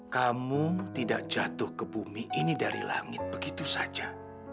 kamu tidak jatuh ke bumi ini dari langit begitu saja